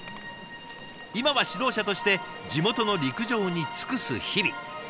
今は指導者として地元の陸上に尽くす日々。